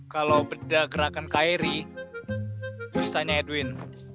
kalo bedah gerakan kairi terus tanya edwin